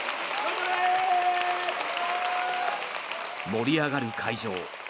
盛り上がる会場。